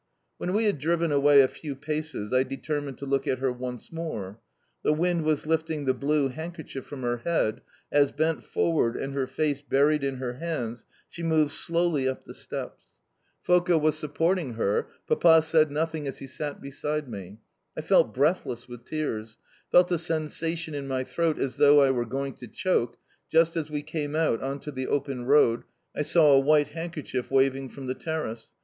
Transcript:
When we had driven away a few paces I determined to look at her once more. The wind was lifting the blue handkerchief from her head as, bent forward and her face buried in her hands, she moved slowly up the steps. Foka was supporting her. Papa said nothing as he sat beside me. I felt breathless with tears felt a sensation in my throat as though I were going to choke, just as we came out on to the open road I saw a white handkerchief waving from the terrace.